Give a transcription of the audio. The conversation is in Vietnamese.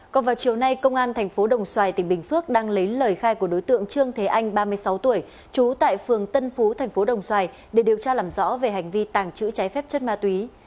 còn vào chiều nay công an tp đồng xoài tỉnh bình phước đang lấy lời khai của đối tượng trương thế anh ba mươi sáu tuổi trú tại phường tân phú tp đồng xoài để điều tra làm rõ về hành vi tàng trữ trái phép chân ma túy